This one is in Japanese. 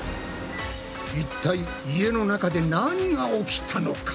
一体家の中で何が起きたのか？